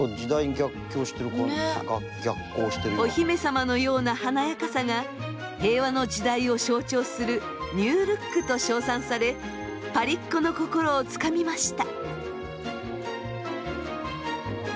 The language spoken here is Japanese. お姫様のような華やかさが平和の時代を象徴するニュールックと称賛されパリっ子の心をつかみました。